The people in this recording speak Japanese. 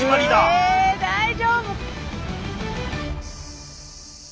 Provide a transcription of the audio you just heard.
え大丈夫？